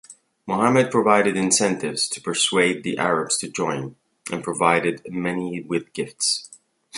Muhammad provided incentives to persuade the Arabs to join, and provided many with gifts.